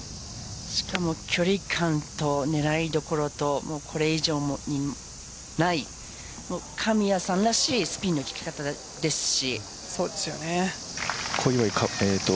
しかも距離感と、狙いどころとこれ以上にない神谷さんらしいスピンの効き方ですし。